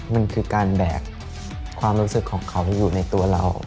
มันคือการแบกความรู้สึกของเขาอยู่ในตัวเรา